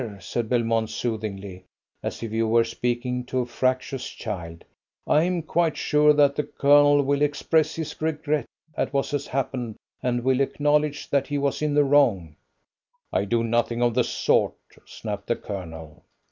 said Belmont soothingly, as if he were speaking to a fractious child. "I am quite sure that the Colonel will express his regret at what has happened, and will acknowledge that he was in the wrong " "I'll do nothing of the sort," snapped the Colonel.